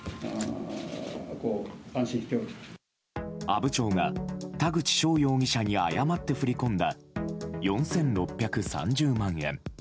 阿武町が田口翔容疑者に誤って振り込んだ４６３０万円。